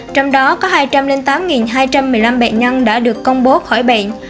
trong đó có hai trăm linh tám hai trăm một mươi năm bệnh nhân đã được công bố khỏi bệnh